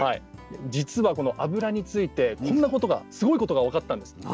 実はこの脂についてこんなことがすごいことが分かったんです。